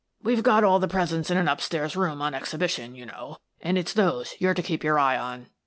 We've got all the presents Brotherly Hate 19 in an up stairs room on exhibition, you know, and it's those you're to keep your eye on."